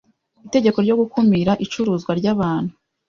itegeko ryo gukumira icuruzwa ry’abantu,